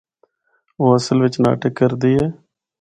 او اصل وچ ناٹک کردی اے۔